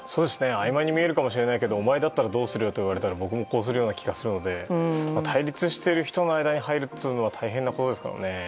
あいまいに見えるかもしれないけどお前だったらどうするよと言われたら僕もこうするような気がするので対立している人の間に入ることは大変なことですからね。